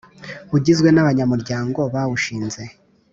ugizwe n’abanyamuryango bawushinze